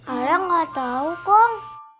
alia gak tau kong